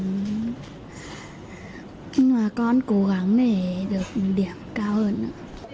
nhưng mà con cố gắng để được điểm cao hơn nữa